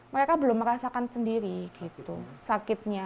mereka belum merasakan sendiri gitu sakitnya